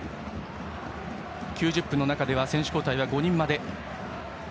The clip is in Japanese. ９０分の中では選手交代は５人まで。